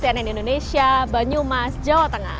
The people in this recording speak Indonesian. tim liputan cnn indonesia banyumas jawa tengah